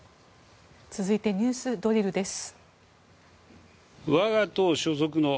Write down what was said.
続いてＮＥＷＳドリルです。